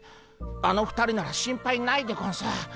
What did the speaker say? あの２人なら心配ないでゴンス。